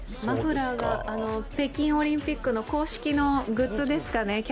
マフラーが北京オリンピックの公式のグッズですかね。